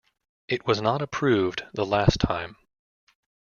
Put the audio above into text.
It was not approved the last time.